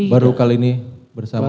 baru kali ini bersamaan